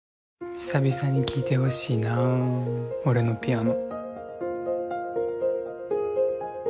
久々に聴いてほしいな俺のピアノ